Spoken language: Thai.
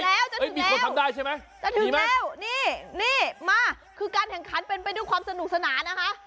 คือนี่จะถึงแล้วนี่มาคือการแข่งขันเป็นเป็นด้วยความสนุกสนานนะคะ